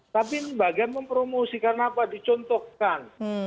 tapi ini bagian mempromosikan apa dicontohkan